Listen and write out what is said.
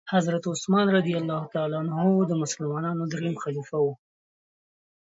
حضرت عثمان رضي الله تعالی عنه د مسلمانانو دريم خليفه وو.